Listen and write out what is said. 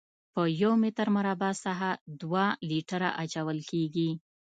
په یو متر مربع ساحه دوه لیټره اچول کیږي